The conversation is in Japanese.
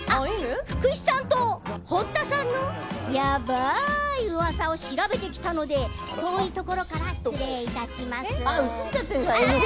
福士さんと堀田さんのやばいうわさを調べてきたので遠いところから失礼します。